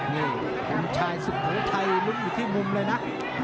นี่บริษัทสุขโทยธัยลุกอยู่ที่มุมเลยนะ